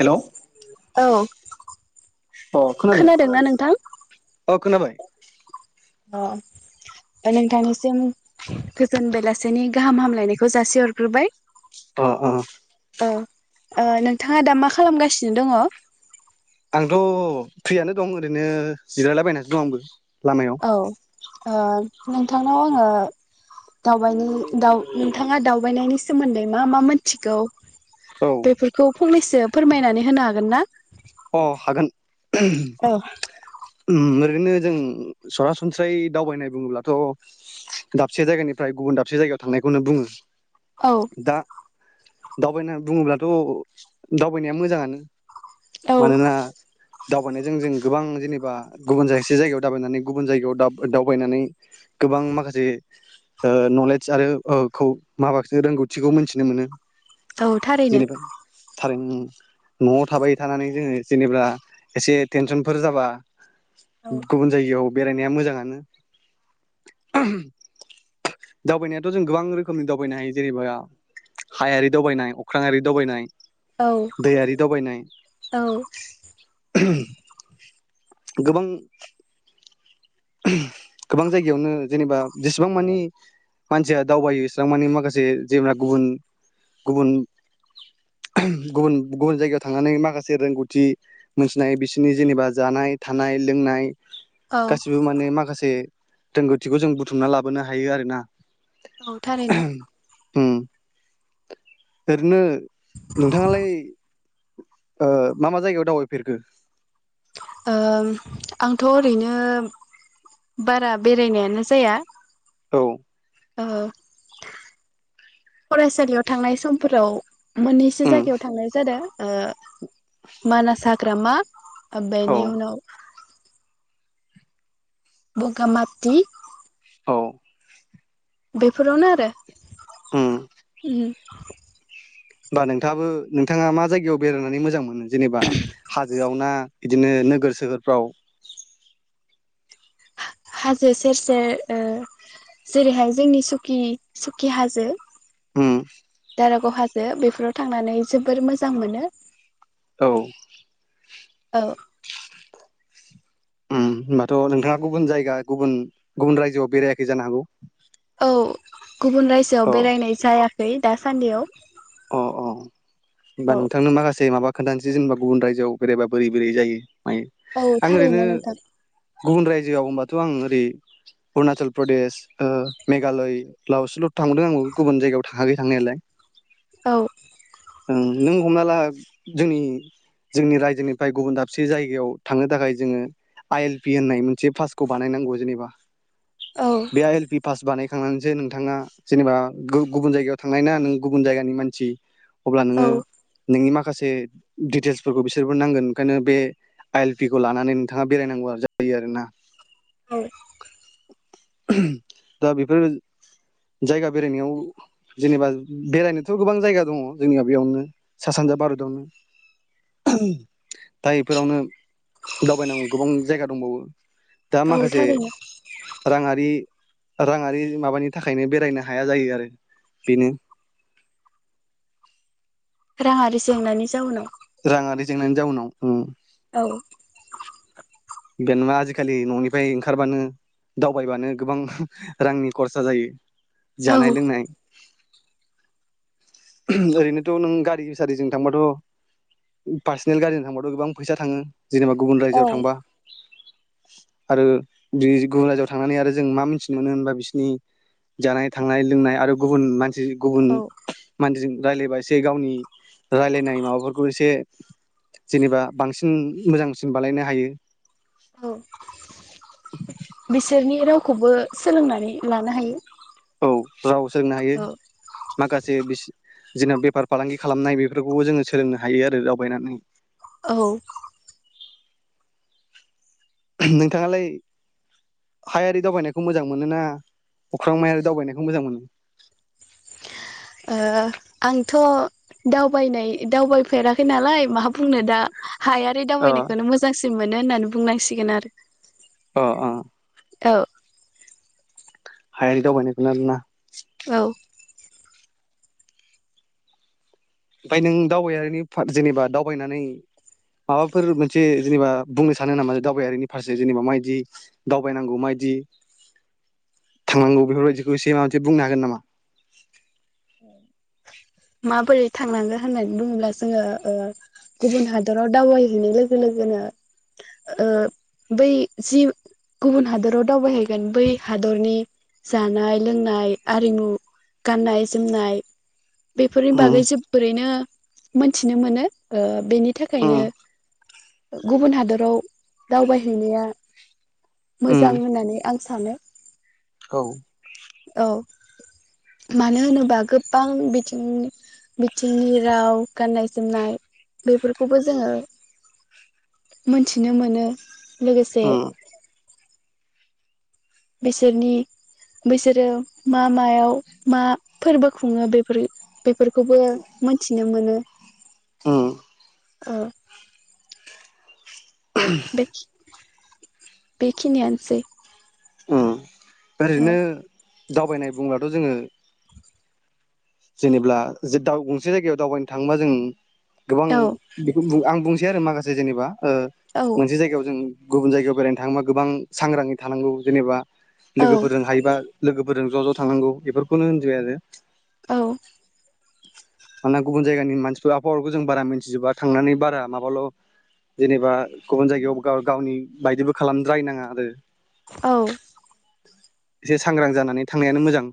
Hello Om औ अ खोनादों खोनादोंना नोंथां? अ खोनाबाय अ नोंथांनिसिम गोजोन बेलासेनि गाहाम हामलायनायखौ जासिहरग्रोबाय। अ अ अ अ नोंथाङा दा मा खालामगासिनो दङ? आंथ' फ्रियानो दं ओरैनो जिरायला बायनानैसो दं आंबो। लामायाव औ ओ नोंथांनाव आङो दावबायनायनि दाव नोंथाङा दावबायनायनि सोमोन्दै मा मा मोनथिगौ? औ बेफोरखौ फंनैसो फोरमायनानै होनो हागोन ना? अ हागोन औ उम ओरै रैनो जों सरासनस्रायै दावबायनाय बुङोब्लाथ' दाबसे जायगानिफ्राय गुबुन दाबसे जायगायाव थांनायखौनो बुङो। औ दा दावबायनाय बुङोब्लाथ दावबायनाया मोजाङानो मानोना दावबायनायजों जों गोबां जेनेबा गुबुन जाबसे जायगायाव दाव दावबायनानै गुबुन जायगायाव दावबायनानै गोबां माखासे ओ नलेज आरो खौ माबासिनो रोंगौथिखौ मोनथिनो मोनो औ थारैनो जेनेबा थारैनो नआव थाबाय थानानै जोङो जेनेबा एसे टेनसनफोर जाबा औ गुबुन जायगायाव बेरायनाया मोजाङानो दावबायनायाथ जों गोबां रोखोमनि दावबायनो हायो जेनेबा हायारि दावबायनाय अख्रांयारि दावबायनाय औ दैयारि दावबायनाय औ गोबां गोबां जायगायावनो जेनेबा जेसेबां मानि मानसिया दावबायो एसेबां मानि माखासे जेन गुबुन गुबुन गुबुन गुबुन जायगायाव थांनानै माखासे रोंगौथि मोनथिनाय बिसोरनि जेनेबा जानाय थानाय लोंनाय औ ने माखासे रोंगौथिखौ जों बुथुमना लाबोनो हायो आरोना औ थारैनो ओम ओरोनो नोंथाङालाय ओ मा मा जायगायाव दावबायफेरखो? ओम आंथ ओरैनो बारा बेरायनायानो जाया औ ओहो फरायसालियाव थांनाय समफोराव मोननैसो उम जायगायाव थांनाय जादों ओ मानास हाग्रामा औ बेनि उनाव बगामाथि औ बेफोरावनो आरो उम [unintelligible] [inaudible] होमबा नोंथाङाबो नोंथाङा मा जायगायाव बेरायनानै मोजां मोनो जेनेबा हाजोआव ना बिदिनो नोगोर सोहोरफ्राव? हा-हाजो सेर सेर ओ जेरैहाय जोंनि सुखि सुखि हाजो उम रागाव हाजो बेफोराव थांनानै जोबोर मोजां मोनो औ औ उम होमबाथ नोंथाङा गुबुन जायगा गुबुन गुबुन रायजोआव बेरायाखै जानो हागौ? औ गुबुन रायजोआव बेरायनाय जाया हैै दासान्दिआव अह-अह होमबा नोंथांनो माखासे माबा खोन्थानोसै जेनेबा गुबुन रायजोआव बेरायबा बोरै-बोरै जायो मायो औ आं ओरैनो थारैनो नोंथाखो गुबुन रायजोआव होमबाथ आं ओरै अरुणाचल प्रदेश ओ मेघालय लावसोल' थांदों आं गुबुन जायगायाव थाङाखै थांनायालाय औ उम नों हमना ला जोंनि-जोंनि रायजोनिफ्राय गुबुन दाबसे जायगायाव थांनो थाखाय जोङो आइ एल पि होननाय मोनसे पासखौ बानायनांगौ जेनेबा औ बे आइ एल पि फास बानाय थांनानैसो नोंथाङा जेनेबा गु गुबुन जायगायाव थांनाय ना नों गुबुन जाय नि मानसि अब्ला औ नोंङो नोंनि माख माखासे दिटेल्सफोरखौ बिसोरबो नांगोन ओंखायनो बे आइ एल पि खौ लानानै नोंथाङा बेरायनांगौआ जायो आरो ना औ दा बेफोर जायगा बेरायनायाव जेनेबा बेरायनो थ गोबां जायगा दंङ जोंनिया बेयावनो सा सानजा ओहोम भारतआवनो दा बेफोरावनो दावबायनांगौ गोबां जायगा दंबावो दा औ माखासे थारैनो रांङारि रांङारि माबानि थाखायनो बेरायनो हाया जायो आरो बेनो रांङारि जेंनानि जाउनाव रांङारि जेंनानि जाउनाव उम औ बेेनोबा नंङा आजिखालि ननिफ्राय ओंखारबानो दावबायबानो गोबां रांनि खरसा जायो औ जानाय लोंनाय ओहोम ओरैनोथ नों गारि सारिजों थांबाथ पार्सनेल गारिजों थांबाथ गोबां फैसा थांङो जेनेबा गुबुन औ रायजोआव थांबा आरो बि गुबुन रायजोआव थांनानै आरो जों मा मिथिनो मोनो होनबा बिसोरनि जानाय थांनाय लोंनाय आरो गुबुन मान जि गुबुन औ जों रायलायबा एसे गावनि रायलायनाय माबाफोरखौ एसे जेनेबा बांसिन मोजांसिन बालायनो हायो औ बिसोरनि राव खौबो सोलोंनानै लानो हायो औ राव सोलोंनो हायो औ माखासे बिसि जेनब बेफार फालांगि खालामनाय बेफोरखौबो जोंङो सोलोंनो हायो आरो दावबायनानै औ नोंथाङालाय हायारि दावबायनायखौ मोजां मोनो ना अख्रां मायारि दावबायनायखौ मोजां मोनो ओ आंथ दावबायनाय दावबायफेराखै नालाय मा बुंनो दा हायारि अ दावायनायखौ मोजांसिन मोनो होननानै बुंनांसिगोन आरो अ अ औ हायारि दावबायनायखौ [unintelligible] औ ओमफ्राय नों दावबायारिनि जेनेबा दावबायनानै माबाफोर मोनसे जेनेबा बुंनो सानो नामा दावबायारिनि फारसे जेनेबा माबायदि दावबायनांगौ माबदि थांनांगौ बेफोरबायदिखौ एसे माबा मोनसे बुंनो हागोन नामा? माबोरै थांनांगोन होननानै बुङोब्ला जोङो ओ गुबुन हादराव दावबायहैनाय लोगो लोगोनो ओ बै जि गुबुन हादराव दावबायहैगोन बै हादरनि जानाय लोंनाय आरिमु गाननाय जोमनाय बेफोरनि बागै उम जोबोरैनो मोनथिनो मोनो ओ बेनि थाखायनो उम गुबुन हादराव दावबायहैनाया मोजां होननानै आं सानो। औ औ मानो होनोबा गोबां बिथि उम बिथिंनि राव गाननाय जोमनाय बेफोरखौबो जोङो मोनथिनो मोनो लोगोसे उम बिसोरनि बिसोरो मा मायाव मा फोरबो खुङो बेफोर बेफोरखौबो मोनथिनो मोनो उम बेखि बेखिनियानोसै उम ओ ओरैनो दावबायनाय बुंब्लाथ जोङो जेनेब्ला जिटा गंसे जायगायाव दावबायनो थाङोबा जों गोबां औ बेखौ बुं आं बुंसै आरो माखासे जेनेबा ओ औ मोनसे जायगायाव जों गुबुन जायगायाव बेरायनो थाङोबा गोबां सांग्राङै थानांगौ जेनेबा औ लोगोफोरजों हायोबा लोगोफोरजों ज ज थांनांगौ बेफोरखौनो होनजिबाय आरो औ मानो गुबुन जायगानि मानसिफोर आबहावाफोरखौ जों बारा मिथिजोबा थांनानै बारा माबाल जेनेबा गुबुन जायगायाव गाव गावनि बायदिबो खालामद्रायनाङा आरो औ एसे सांग्रां जानानै थांनायानो मोजां।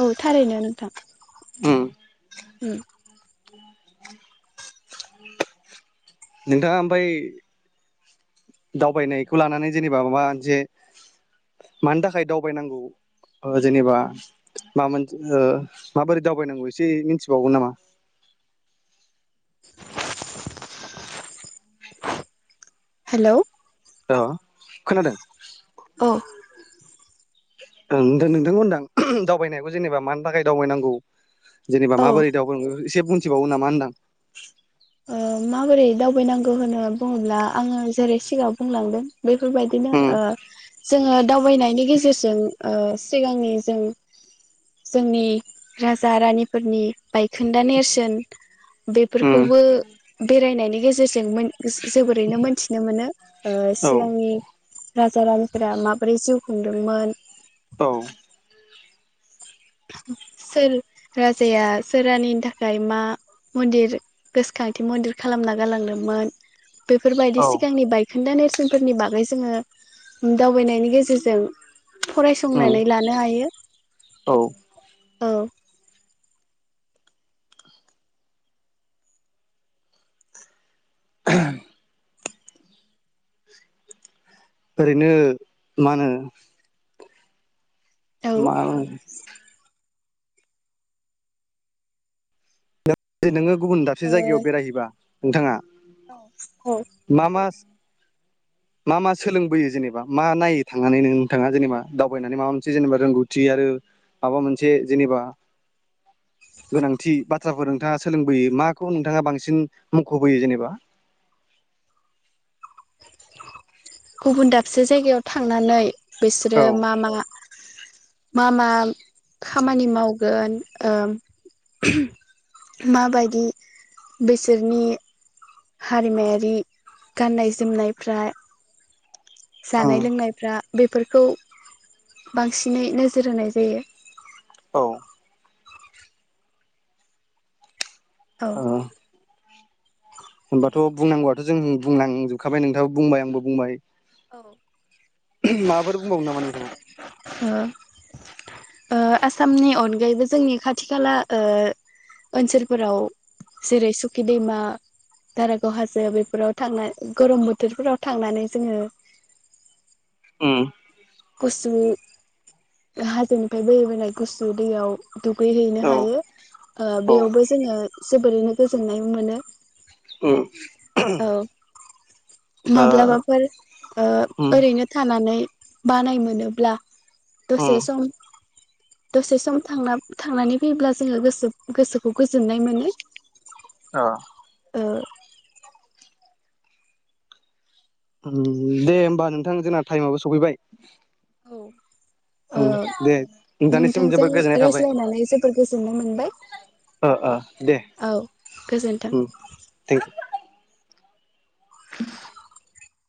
औ थारैनो नोंथां उ उ नोंथाङा ओमफाय दावबायनायखौ लानानै जेनेबा माबा मोनसे मानि थाखाय दावबायनांगौ ओ जेनेबा मा मोनसे ओ माबोरै दावबायनांगौ एसे मिथिबावगोन नामा? [inaudible] हेलौ ओ खोनादों? अ ओं थ नोंथां होनदां दावबायनायखौ जेनेबा मानि थाखाय दावबायनांगौ जेनेबा ओ माबोरै दावफोर एसे बुंथिबावनो नामा होनदां [inaudible] ओ माबोरै दावबायनांगौ होनना बुङोब्ला आङो जेरै सिगाङाव बुंलांदों बेफोरबायदिनो उम ओ जोङो दावबायनायनि गेजेरजों ओ सिगांनि जों जोंनि राजा रानिफोरनि बायखोन्दा नेरसोन बेफोरखौ उम ओ बे बेरायनायनि गेजेरजों मोन ओस जोबोरैनो मोनथिनो मोनो ओ औ सिगांनि राजा रानिफोरा माबोरै जिउ खुंदोंमोन औ सोर राजाया सोर रानिनि थाखाय मा मन्दिर गोसोखांथि मन्दिर खालामना गालांदोंमोन। बेफोरबायदि औ सिगांनि बाइक खिनदा नेरसोनफोरनि बागै जोङो दावबायनायनि गेजेरजों उम फरायसंनानै लानो हायो औ औ [unintelligible] ओरैनो मा होनो औ मा होनो ट्रेट नो गुबुन दाबसे जायगायाव बेरायहैबा नोंथाङा औ औ मा मा मा मा सोलोंबोयो जेनेबा मा नायो थांनानै नोंथाङा जेनेबा दावबायनानै माबा मोनसे जेनेबा रोंगौथि आरो माबा मोनसे जेनेबा गोनांथि बाथ्राफोर नोंथाङा सोलोंबोयो माखौ नोंथाङा बांसिन मख'बोयो जेनेबा गुबुन दाबसे जायगायाव थांनानै बिसोरो औ मा मा मा मा खामानि मावगोन ओम मा बायदि बिसोरनि हारिमायारि गाननाय जोमनायफ्रा जानाय ओं लोंनायफ्रा बेफोरखौ बांसिनै नोजोर होनाय जायो। औ औ ओ होनबाथ' बुंनांगौआथ' जों बुंलांजोबखाबाय नोंथाङाबो बुंबाय आंबो बुंबाय औ। माफोर बुंबावो नामा नोंथाङा? ओ - ओ आसामनि अनगायैबो जोंनि खाथि खाला ओ ओनसोलफोराव जेरै सुखि दैमा, दारागाव हाजो बेफोराव थांना गरम बोथोरफोराव थांनानै जोङो ओम। गुसु हाजोनिफ्राय बोहैबोनाय गुसु दैयाव दुगैहैनो औ हायो ओ बेयावबो जोङो जोबोरैनो गोजोननाय मोनो औ औ। माब्लाबाफोर ओ उम ओरैनो थानानै बानाय मोनोब्ला ओ दसे उम सम दसे सम थांना - थांनानै फैब्ला जोङो गोसो- गोसोखौ गोजोननाय मोनो। अ। ओ। उम दे होमबा नोंथां जोंना टाइमाबो सफैबाय। औ ओ दे नोंथांनिसिम नोंथांजों जोबोद गोजोननाय थाबाय रायज्लायनानै जोबोर गोजोननाय मोनबाय ओ - ओ दे औ गोजोन्थों। ओम थेंक इउ। [unintelligible]